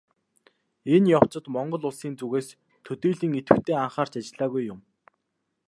Энэ явцад Монгол Улсын зүгээс төдийлөн идэвхтэй анхаарч ажиллаагүй юм.